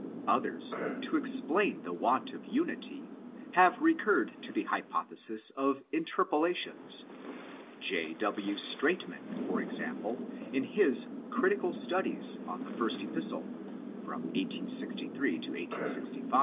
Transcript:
Others, to explain the want of unity, have recurred to the hypothesis of interpolations: J. W. Straatman, for example, in his Critical Studies on the first Epistle (1863 65), treated xi.